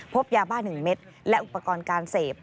พบยาบ้า๑เม็ดและอุปกรณ์การเสพ